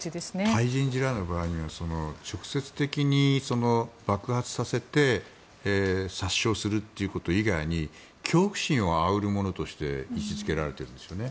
対人地雷の場合直接的に爆発させて殺傷するということ以外に恐怖心をあおるものとして位置付けられているんですよね。